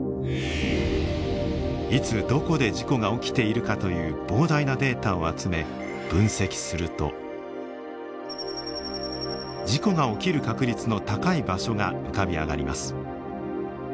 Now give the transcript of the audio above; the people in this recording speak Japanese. いつどこで事故が起きているかという膨大なデータを集め分析すると事故が起きる確率の高い場所が浮かび上がります。